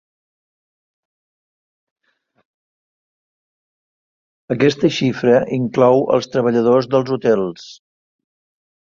Aquesta xifra inclou els treballadors dels hotels.